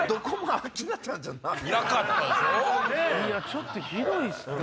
ちょっとひどいっすね。